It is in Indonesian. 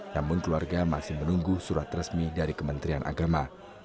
namun keluarga masih menunggu surat resmi dari kementerian agama